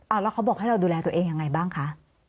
แล้วเขาบอกให้เราดูแลตัวเองยังไงบ้างคะ